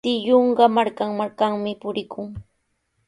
Tiyuuqa markan-markanmi purikun.